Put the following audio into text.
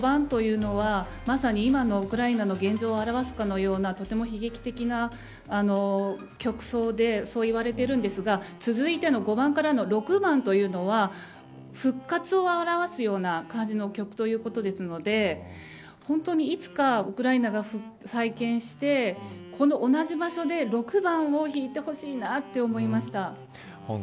演奏された５番というのは今のウクライナの現状を表すようなとても悲劇的な曲想と言われているんですが続いての５番からの６番というのは復活を表すような感じの曲ということですので本当にいつかウクライナが再建してこの同じ場所で６番を弾いてほしいなと思いました。